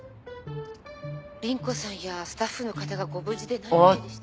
「凛子さんやスタッフの方がご無事で何よりでした」